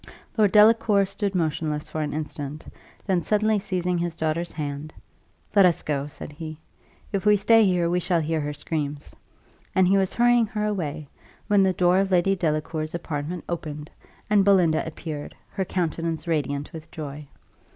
Lord Delacour stood motionless for an instant; then suddenly seizing his daughter's hand, "Let us go," said he: "if we stay here, we shall hear her screams;" and he was hurrying her away, when the door of Lady Delacour's apartment opened, and Belinda appeared, her countenance radiant with joy.